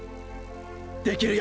できるよ！！